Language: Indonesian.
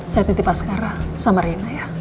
saya tetip askera sama rena ya